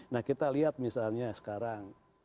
nah kita lihat misalnya sekarang